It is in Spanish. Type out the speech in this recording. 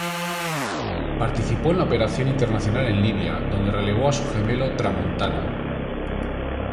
Participó en la operación internacional en Libia, donde relevó a su gemelo "Tramontana".